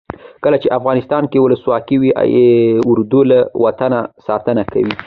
کله چې افغانستان کې ولسواکي وي اردو له وطنه ساتنه کوي.